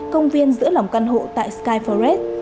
công viên giữa lòng căn hộ tại sky forest